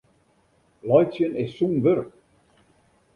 Laitsjen is sûn wurk.